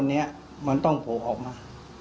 อันนี้มันต้องโผล่ออกมา